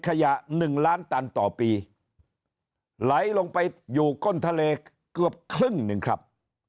ขยะ๑ล้านตันต่อปีไหลลงไปอยู่ก้นทะเลเกือบครึ่ง๑ครับ